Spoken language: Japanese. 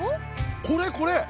これこれ。